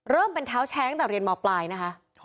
เป็นเท้าแชร์ตั้งแต่เรียนมปลายนะคะ